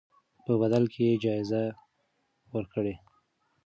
په بدل کې یې جایزه ورکړئ.